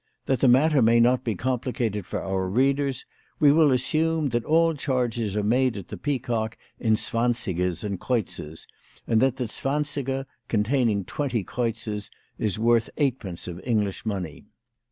That the matter may not be complicated for our readers, we will assume that all charges are made at the Peacock in zwansigers and kreutzers, and that the zwansiger, containing twenty kreutzers, is worth eightpence of English money.